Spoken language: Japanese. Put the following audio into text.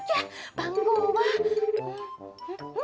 番号は。